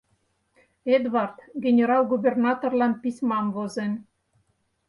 Эдвард генерал-губернаторлан письмам возен.